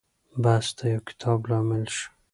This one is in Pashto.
بحث د يو کتاب لامل شو.